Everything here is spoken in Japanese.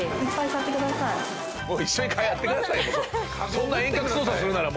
そんな遠隔操作するなら。